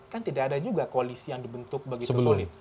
kan tidak ada juga koalisi yang dibentuk begitu sulit